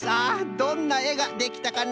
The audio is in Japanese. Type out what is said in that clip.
どんなえができたかのう？